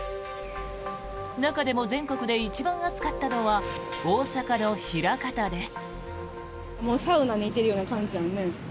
中でも全国で一番暑かったのは大阪の枚方です。